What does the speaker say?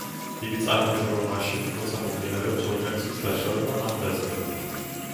იგი წარმოიშვება მაშინ, როცა მიმდინარეობს ორგანიზმის დაშავება, ან დაზიანება.